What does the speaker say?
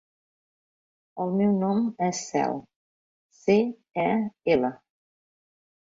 El meu nom és Cel: ce, e, ela.